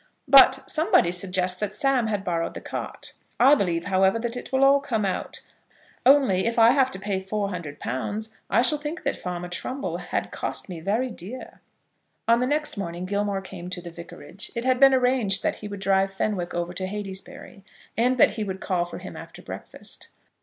"But somebody suggests that Sam had borrowed the cart. I believe, however, that it will all come out; only, if I have to pay four hundred pounds I shall think that Farmer Trumbull has cost me very dear." On the next morning Gilmore came to the vicarage. It had been arranged that he would drive Fenwick over to Heytesbury, and that he would call for him after breakfast.